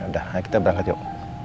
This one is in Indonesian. udah ayo kita berangkat yuk